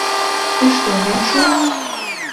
Ты што, не чуў?